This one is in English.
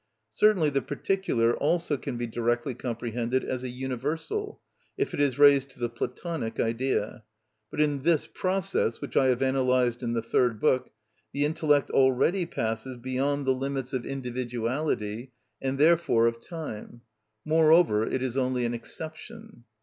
Certainly the particular also can be directly comprehended as a universal, if it is raised to the (Platonic) Idea; but in this process, which I have analysed in the third book, the intellect already passes beyond the limits of individuality, and therefore of time; moreover it is only an exception.